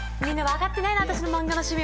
みんな分かってないな